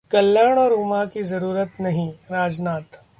कल्याण और उमा की जरूरत नहीं:राजनाथ